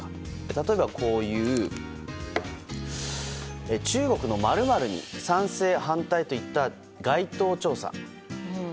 例えば、中国の○○に賛成・反対といった街頭調査。